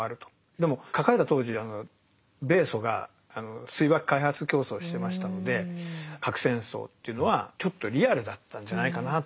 でも書かれた当時米ソが水爆開発競争をしてましたので核戦争というのはちょっとリアルだったんじゃないかな。